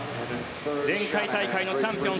前回大会のチャンピオン。